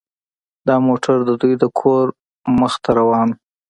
دا موټر د دوی د کور مخې ته روان و